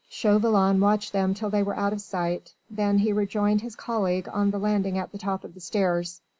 Chauvelin watched them till they were out of sight, then he rejoined his colleague on the landing at the top of the stairs.